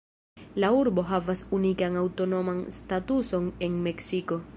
La urbo havas unikan aŭtonoman statuson en Meksiko.